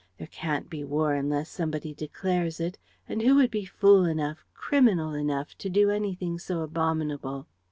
There can't be war unless somebody declares it. And who would be fool enough, criminal enough, to do anything so abominable?"